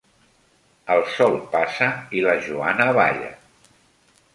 El sol passa i la Joana balla.